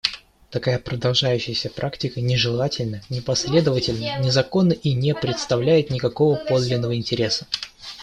Такая продолжающаяся практика нежелательна, непоследовательна, незаконна и не представляет никакого подлинного интереса.